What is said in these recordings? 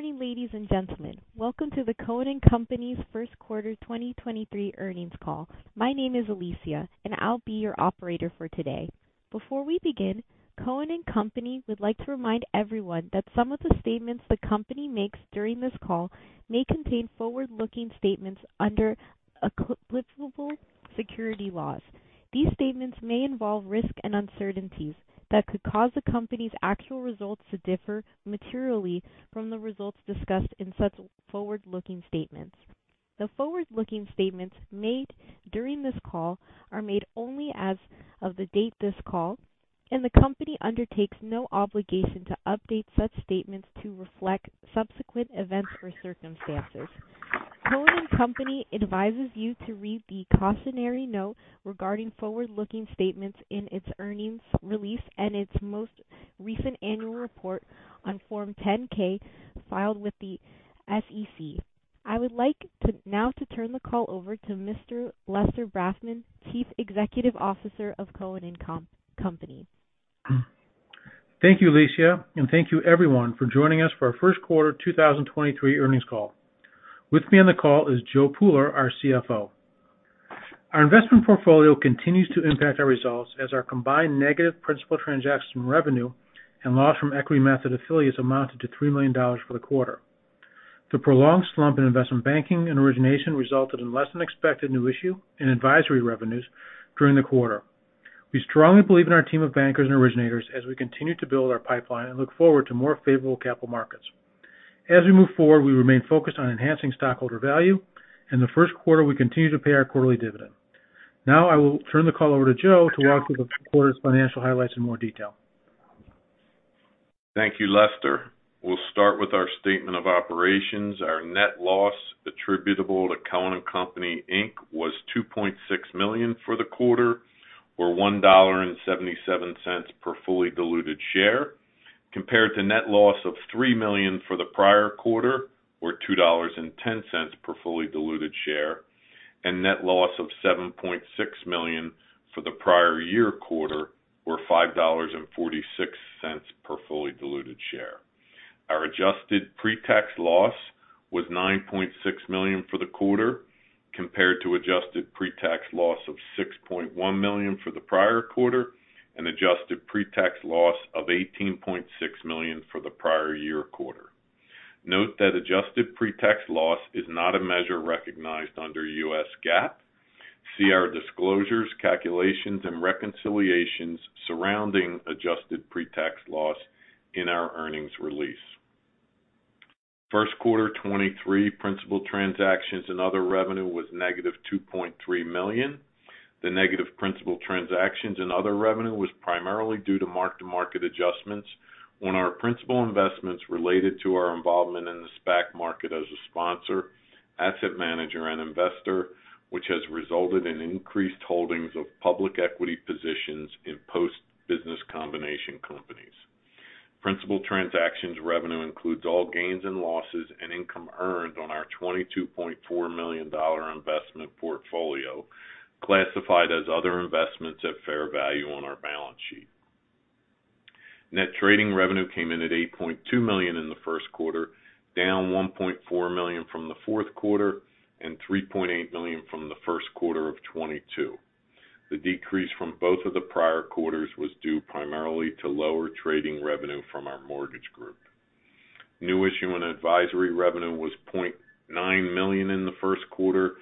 Good morning, ladies and gentlemen. Welcome to the Cohen & Company's first quarter 2023 earnings call. My name is Alicia. I'll be your operator for today. Before we begin, Cohen & Company would like to remind everyone that some of the statements the company makes during this call may contain forward-looking statements under applicable security laws. These statements may involve risks and uncertainties that could cause the company's actual results to differ materially from the results discussed in such forward-looking statements. The forward-looking statements made during this call are made only as of the date of this call. The company undertakes no obligation to update such statements to reflect subsequent events or circumstances. Cohen & Company advises you to read the cautionary note regarding forward-looking statements in its earnings release and its most recent annual report on Form 10-K filed with the SEC. I would like to now to turn the call over to Mr. Lester Brafman, Chief Executive Officer of Cohen & Company. Thank you, Alicia, and thank you everyone for joining us for our first quarter 2023 earnings call. With me on the call is Joe Pooler, our CFO. Our investment portfolio continues to impact our results as our combined negative principal transaction revenue and loss from equity method affiliates amounted to $3 million for the quarter. The prolonged slump in investment banking and origination resulted in less than expected new issue and advisory revenues during the quarter. We strongly believe in our team of bankers and originators as we continue to build our pipeline and look forward to more favorable capital markets. As we move forward, we remain focused on enhancing stockholder value, and the first quarter we continue to pay our quarterly dividend. Now I will turn the call over to Joe to walk through the quarter's financial highlights in more detail. Thank you, Lester. We'll start with our statement of operations. Our net loss attributable to Cohen & Company Inc. was $2.6 million for the quarter, or $1.77 per fully diluted share, compared to net loss of $3 million for the prior quarter, or $2.10 per fully diluted share, and net loss of $7.6 million for the prior year quarter, or $5.46 per fully diluted share. Our adjusted pre-tax loss was $9.6 million for the quarter, compared to adjusted pre-tax loss of $6.1 million for the prior quarter and adjusted pre-tax loss of $18.6 million for the prior year quarter. Note that adjusted pre-tax loss is not a measure recognized under U.S. GAAP. See our disclosures, calculations and reconciliations surrounding adjusted pre-tax loss in our earnings release. First quarter 2023 principal transactions and other revenue was -$2.3 million. The negative principal transactions and other revenue was primarily due to mark-to-market adjustments on our principal investments related to our involvement in the SPAC market as a sponsor, asset manager and investor, which has resulted in increased holdings of public equity positions in post-business combination companies. Principal transactions revenue includes all gains and losses and income earned on our $22.4 million investment portfolio, classified as other investments at fair value on our balance sheet. Net trading revenue came in at $8.2 million in the first quarter, down $1.4 million from the fourth quarter and $3.8 million from the first quarter of 2022. The decrease from both of the prior quarters was due primarily to lower trading revenue from our mortgage group. New issue and advisory revenue was $0.9 million in the first quarter,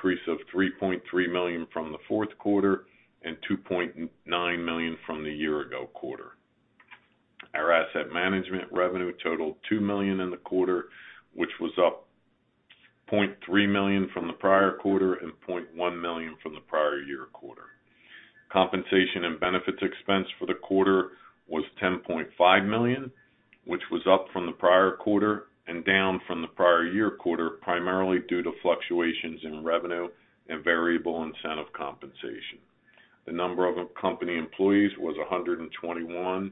a decrease of $3.3 million from the fourth quarter and $2.9 million from the year-ago quarter. Our asset management revenue totaled $2 million in the quarter, which was up $0.3 million from the prior quarter and $0.1 million from the prior year quarter. Compensation and benefits expense for the quarter was $10.5 million, which was up from the prior quarter and down from the prior year quarter, primarily due to fluctuations in revenue and variable incentive compensation. The number of company employees was 121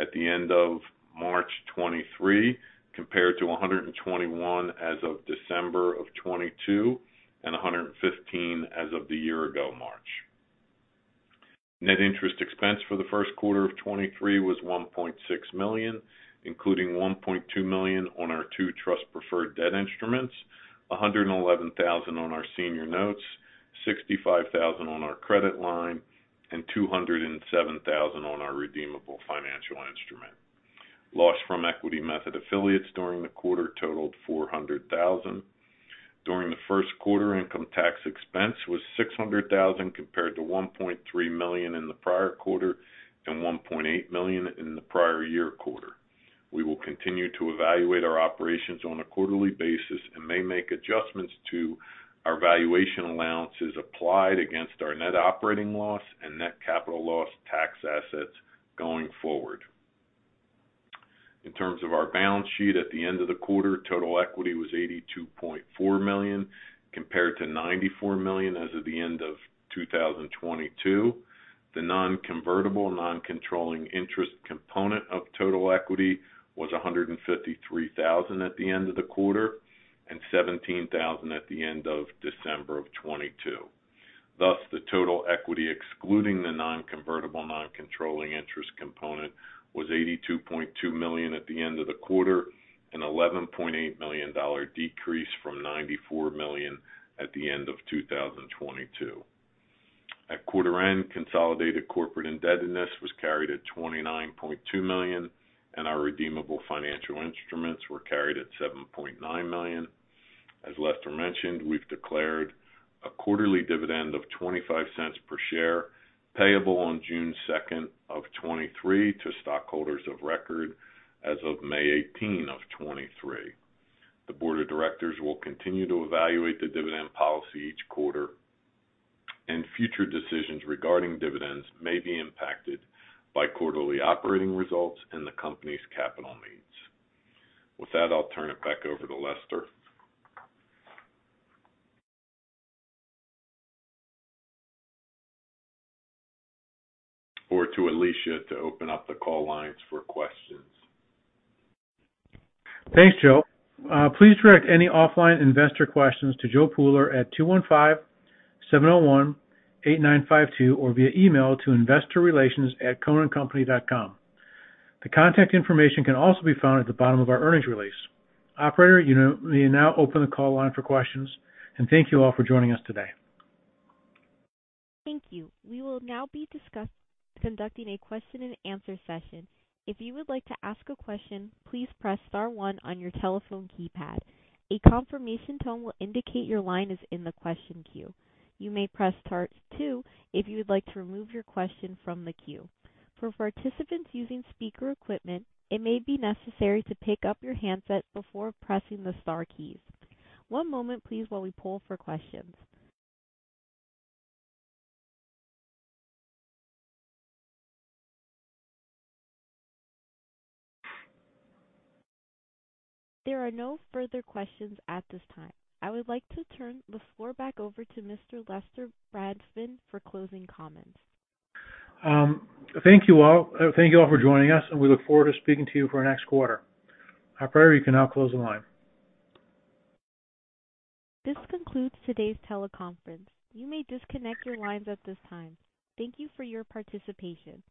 at the end of March 2023, compared to 121 as of December 2022 and 115 as of the year-ago March. Net interest expense for the first quarter of 2023 was $1.6 million, including $1.2 million on our two trust preferred debt instruments, $111,000 on our senior notes, $65,000 on our credit line, and $207,000 on our redeemable financial instrument. Loss from equity method affiliates during the quarter totaled $400,000. During the first quarter, income tax expense was $600,000, compared to $1.3 million in the prior quarter and $1.8 million in the prior year quarter. We will continue to evaluate our operations on a quarterly basis and may make adjustments to our valuation allowances applied against our net operating loss and net capital loss tax assets going forward. In terms of our balance sheet, at the end of the quarter, total equity was $82.4 million, compared to $94 million as of the end of 2022. The non-convertible non-controlling interest component of total equity was $153 thousand at the end of the quarter and $17 thousand at the end of December of 2022. The total equity excluding the non-convertible non-controlling interest component was $82.2 million at the end of the quarter, an $11.8 million dollar decrease from $94 million at the end of 2022. At quarter end, consolidated corporate indebtedness was carried at $29.2 million, and our redeemable financial instruments were carried at $7.9 million. As Lester mentioned, we've declared a quarterly dividend of $0.25 per share payable on June 2, 2023 to stockholders of record as of May 18, 2023. The board of directors will continue to evaluate the dividend policy each quarter, and future decisions regarding dividends may be impacted by quarterly operating results and the company's capital needs. With that, I'll turn it back over to Lester. To Alicia to open up the call lines for questions. Thanks, Joe. Please direct any offline investor questions to Joe Pooler at 215-701-8952 or via email to investorrelations@cohenandcompany.com. The contact information can also be found at the bottom of our earnings release. Operator, you may now open the call line for questions and thank you all for joining us today. Thank you. We will now be conducting a question and answer session. If you would like to ask a question, please press star one on your telephone keypad. A confirmation tone will indicate your line is in the question queue. You may press star two if you would like to remove your question from the queue. For participants using speaker equipment, it may be necessary to pick up your handset before pressing the star keys. One moment please while we poll for questions. There are no further questions at this time. I would like to turn the floor back over to Mr. Lester Brafman for closing comments. Thank you all. Thank you all for joining us. We look forward to speaking to you for our next quarter. Operator, you can now close the line. This concludes today's teleconference. You may disconnect your lines at this time. Thank you for your participation.